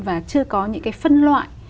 và chưa có những cái phân loại